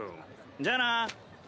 じゃあな。